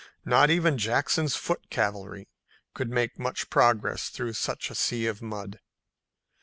Not even Jackson's foot cavalry could make much progress through such a sea of mud.